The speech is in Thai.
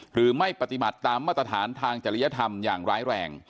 หรือไม่ปฏิบัติตามมาตรฐานทางจริยธรรมอย่างร้ายแรง